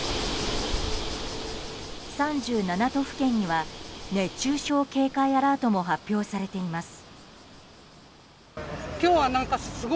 都府県には熱中症警戒アラートも発表されています。